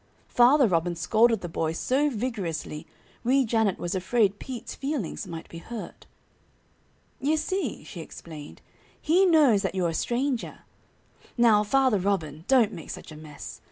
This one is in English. Father Robin scolded the boy so vigorously Wee Janet was afraid Pete's feelings might be hurt. "You see," she explained, "he knows that you're a stranger. Now, Father Robin, don't make such a fuss.